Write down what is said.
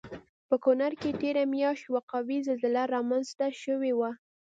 په کنړ کې تېره میاشت یوه قوي زلزله رامنځته شوی وه